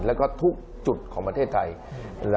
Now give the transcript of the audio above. แล้วก็ทุกจุดของประเทศไทย